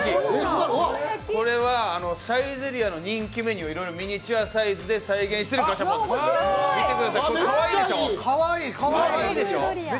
これはサイゼリヤの人気メニューをいろいろミニチュアサイズで再現しているガシャポンです。